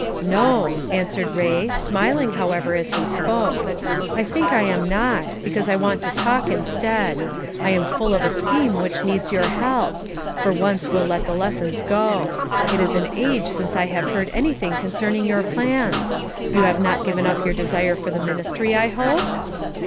"No," answered Ray, smiling, however, as he spoke; "I think I am not, because I want to talk instead. I am full of a scheme which needs your help; for once we'll let the lessons go. It is an age since I have heard anything concerning your plans; you have not given up your desire for the ministry, I hope?"